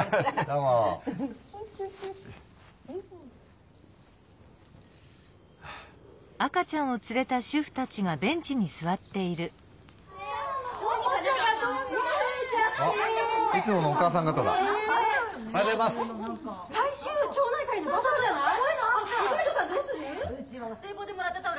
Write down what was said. うちはおせいぼでもらったタオルが。